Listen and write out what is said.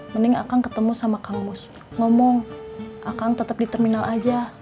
mending akang ketemu sama kang mus ngomong akang tetep di terminal aja